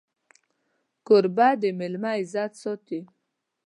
کوربه د مېلمه عزت ساتي.